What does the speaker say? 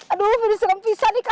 aduh ini serem pisah nih kacau